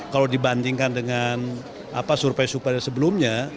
kalau dibandingkan dengan surupai surupai sebelumnya